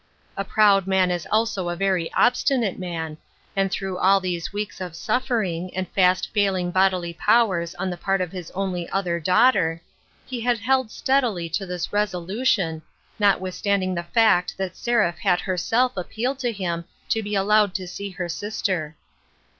A proud man is also a very obstinate man, and through all these weeks of suffering, and fast fail ing bodily powers on the part of his only other daughter, he had held steadily to this resolution, notwithstanding the fact that Seraph had herself appealed to him to be allowed to see her sister.